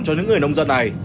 cho những người nông dân này